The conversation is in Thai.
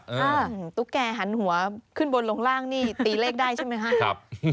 เออแล้วตุ้งแกหันหัวขึ้นบนลงล่างนี่ตีเลขได้ใช่ไหมฮะ